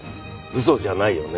嘘じゃないよね？